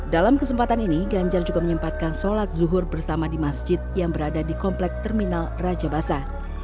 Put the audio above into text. dalam kesempatan ini ganjar juga menyempatkan sholat zuhur bersama di masjid yang berada di komplek terminal raja basah